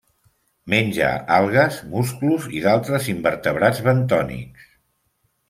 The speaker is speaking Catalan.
Menja algues, musclos i d'altres invertebrats bentònics.